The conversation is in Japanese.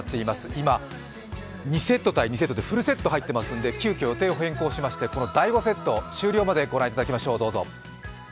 今、２セット×２セットでフルセット入ってますので急きょ、予定を変更しまして第５セット終了までごらんいただきましょう。